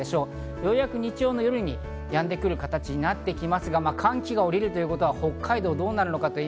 ようやく日曜の夜にやんでくる形になってきますが、寒気が降りるということは北海道はどうなるか。